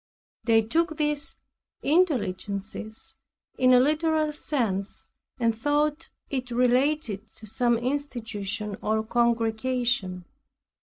They took these intelligences in a literal sense and thought it related to some institution or congregation.